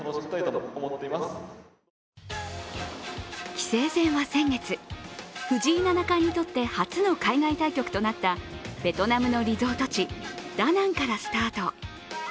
棋聖戦は先月、藤井七冠にとって初の海外対局となったベトナムのリゾート地、ダナンからスタート。